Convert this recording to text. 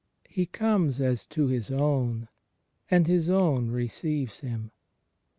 He comes, as to His own — and His own receives Him.